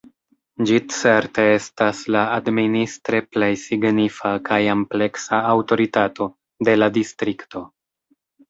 Ĝi certe estas la administre plej signifa kaj ampleksa aŭtoritato de la distrikto.